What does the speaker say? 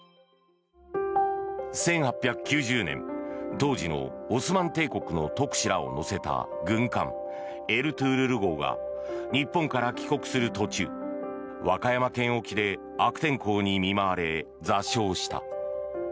１８９０年、当時のオスマン帝国の特使らを乗せた軍艦「エルトゥールル号」が日本から帰国する途中和歌山県沖で悪天候に見舞われ座礁した。